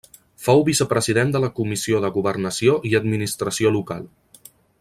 Fou vicepresident de la Comissió de Governació i Administració Local.